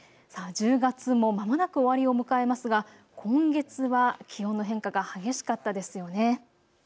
１０月もまもなく終わりを迎えますが、今月は気温の変化が激しかったですよね。